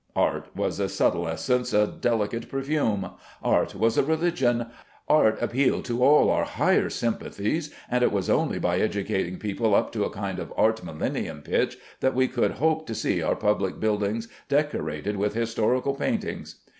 Art was a subtle essence, a delicate perfume. Art was a religion. Art appealed to all our higher sympathies, and it was only by educating people up to a kind of art millennium pitch that we could hope to see our public buildings decorated with historical paintings.